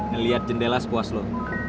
neliat jendela sepuas lo